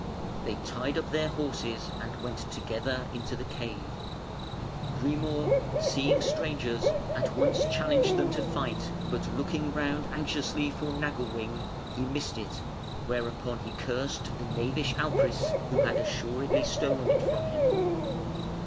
They tied up their horses and went together into the cave. Grimur, seeing strangers, at once challenged them to fight; but looking round anxiously for Nagelring, he missed it, whereupon he cursed the knavish Alpris, who had assuredly stolen it from him.